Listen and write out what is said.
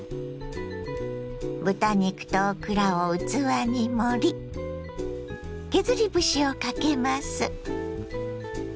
豚肉とオクラを器に盛り削り節をかけます。